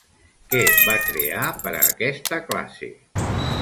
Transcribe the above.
Què va crear per a aquesta classe?